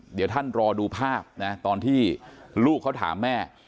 เดี๋ยวท่านรอดูภาพนะตอนที่ลูกเขาถามแม่